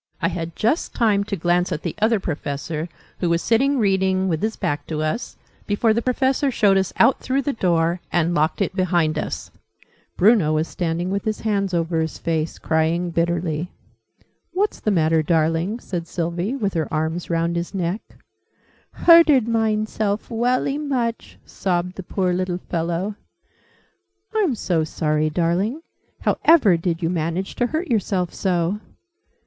I had just time to glance at the Other Professor, who was sitting reading, with his back to us, before the Professor showed us out through the door, and locked it behind us. Bruno was standing with his hands over his face, crying bitterly. {Image...'What's the matter, darling?'} "What's the matter, darling?" said Sylvie, with her arms round his neck. "Hurted mine self welly much!" sobbed the poor little fellow. "I'm so sorry, darling! How ever did you manage to hurt yourself so?"